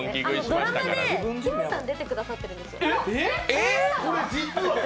ドラマ、きむさん出てくださっているんですよ。